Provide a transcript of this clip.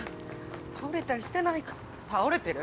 倒れたりしてないか倒れてる？